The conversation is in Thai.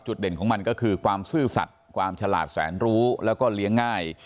เด่นของมันก็คือความซื่อสัตว์ความฉลาดแสนรู้แล้วก็เลี้ยงง่าย